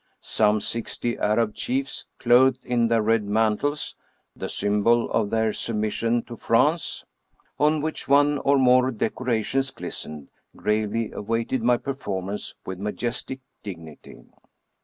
Some sixty Arab chiefs, clothed in their red mantles (the symbol of their submission to France), on which one or more deco rations glistened, gravely awaited my performance with majestic dignity.